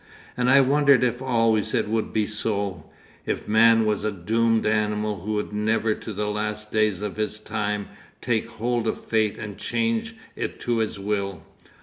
And I wondered if always it would be so, if man was a doomed animal who would never to the last days of his time take hold of fate and change it to his will.